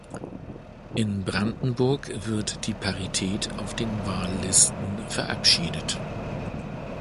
In Brandenburg wird die Parität auf den Wahllisten verabschiedet.